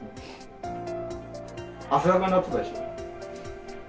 汗だくになってたでしょ。